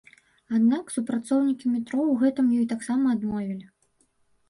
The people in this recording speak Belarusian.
Аднак супрацоўнікі метро ў гэтым ёй таксама адмовілі.